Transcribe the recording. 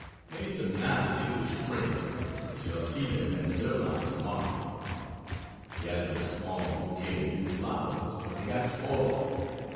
Made some nice English friends and shall see them at Zermatt tomorrow. Gathered a small bouquet of new flowers, but they got spoiled.